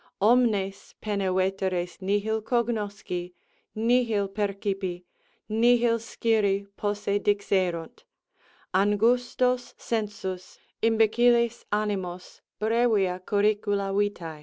_Ormes pene veteres nihil cognosci, nihil percipi, nihil sciri posse dixerunt; angustos sensus, imbecilles animos, brevia curricula vito.